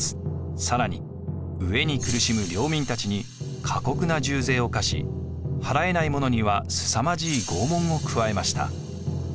更に飢えに苦しむ領民たちに過酷な重税を課し払えない者にはすさまじい拷問を加えました。